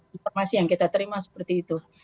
informasi yang kita terima seperti itu